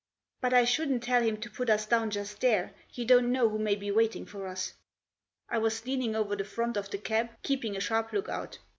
" But I shouldn't tell him to put us down just there. You don't know who may be waiting for us." I was leaning over the front of the cab, keeping a sharp look out.